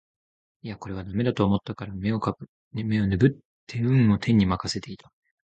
いやこれは駄目だと思ったから眼をねぶって運を天に任せていた